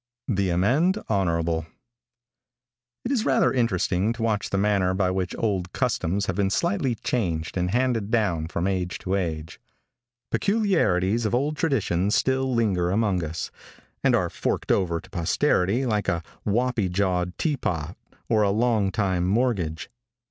THE AMENDE HONORABLE. |IT is rather interesting to watch the manner by which old customs have been slightly changed and handed down from age to age. Peculiarities of old traditions still linger among us, and are forked over to posterity like a wappy jawed teapot or a long time mortgage..